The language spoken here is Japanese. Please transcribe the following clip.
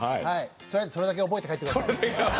とりあえずそれだけ覚えて帰ってください。